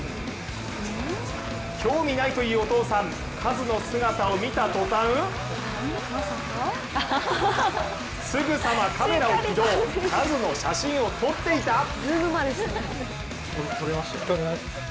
興味ないというお父さんカズの姿を見た途端すぐさまカメラを起動、カズの写真を撮っていた！